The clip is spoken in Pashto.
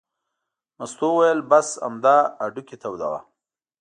مستو وویل: بس همدا هډوکي تودوه.